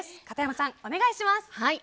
片山さん、お願いします。